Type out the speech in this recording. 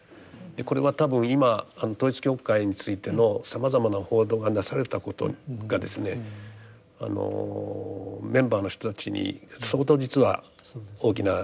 これは多分今統一教会についてのさまざまな報道がなされたことがですねメンバーの人たちに相当実は大きな影響を与えている。